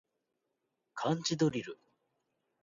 漢字ドリル